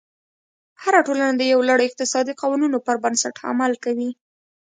هره ټولنه د یو لړ اقتصادي قوانینو پر بنسټ عمل کوي.